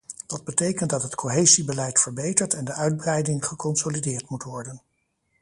Dat betekent dat het cohesiebeleid verbeterd en de uitbreiding geconsolideerd moet worden.